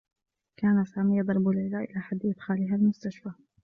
كان سامي يضرب ليلى إلى حدّ إدخالها للمستشفى.